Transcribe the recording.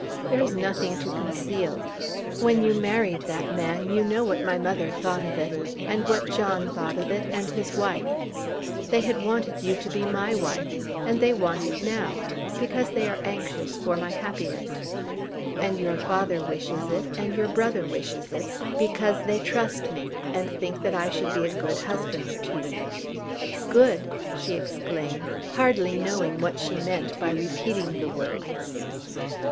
There is nothing to conceal. When you married that man you know what my mother thought of it; and what John thought of it, and his wife. They had wanted you to be my wife; and they want it now, because they are anxious for my happiness. And your father wishes it, and your brother wishes it, because they trust me, and think that I should be a good husband to you." "Good!" she exclaimed, hardly knowing what she meant by repeating the word.